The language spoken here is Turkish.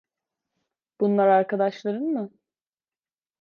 Bunlar arkadaşların mı?